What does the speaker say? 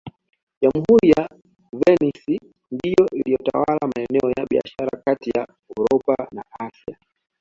Jamhuri ya Venisi ndiyo iliyotawala maeneo ya biashara kati ya Uropa na Asia